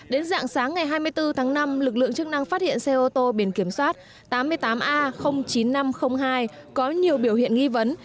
đến dạng sáng ngày hai mươi bốn tháng năm lực lượng chức năng phát hiện xe ô tô biển kiểm soát tám mươi tám a chín nghìn năm trăm linh hai có nhiều biểu hiện nghi vấn